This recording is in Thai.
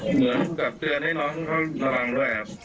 เหมือนกับเตือนให้น้องเขาระวังด้วยครับ